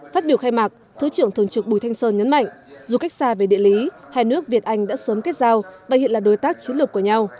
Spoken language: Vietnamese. phát biểu khai mạc thứ trưởng thường trực bùi thanh sơn nhấn mạnh dù cách xa về địa lý hai nước việt anh đã sớm kết giao và hiện là đối tác chiến lược của nhau